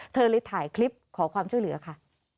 เธอเลยถ่ายคลิปขอความช่วยเหลือค่ะ